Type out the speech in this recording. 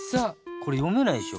これよめないでしょ。